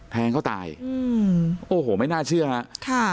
แท้งเขาตายโอ้โหไม่น่าเชื่อฮะ